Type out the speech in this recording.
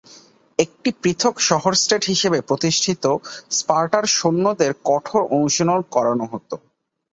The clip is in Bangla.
একটি পৃথক শহর-স্টেট হিসেবে প্রতিষ্ঠিত স্পার্টার সৈন্যদের কঠোর অনুশীলন করানো হত।